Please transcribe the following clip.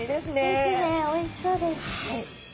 ですねおいしそうです。